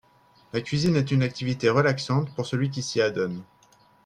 La cuisine est une activité relaxante pour celui qui s'y adonne